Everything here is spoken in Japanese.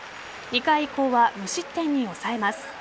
２回以降は無失点に抑えます。